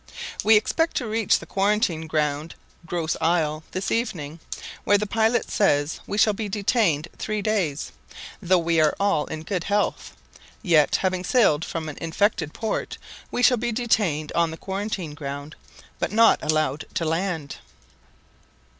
We expect to reach the quarantine ground (Gros Isle) this evening, where the pilot says we shall be detained three days. Though we are all in good health, yet, having sailed from an infected port, we shall be detained on the quarantine ground, but not allowed to land.